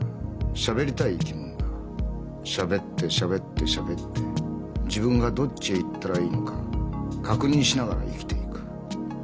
しゃべってしゃべってしゃべって自分がどっちへ行ったらいいのか確認しながら生きていく。